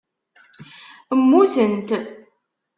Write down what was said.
Mutent.